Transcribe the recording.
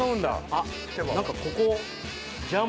あっ、なんかここ。